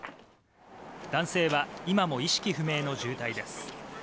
男性は今も意識不明の重体です。